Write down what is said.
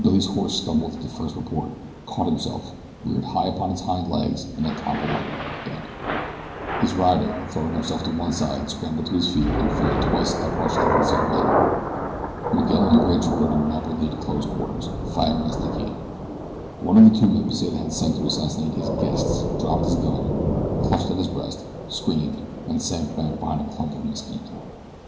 Billy's horse stumbled at the first report, caught himself, reared high upon his hind legs and then toppled over, dead. His rider, throwing himself to one side, scrambled to his feet and fired twice at the partially concealed men. Miguel and Bridge rode in rapidly to close quarters, firing as they came. One of the two men Pesita had sent to assassinate his "guests" dropped his gun, clutched at his breast, screamed, and sank back behind a clump of mesquite.